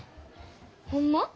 ホンマ？